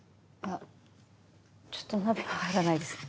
ちょっと鍋は入らないですね。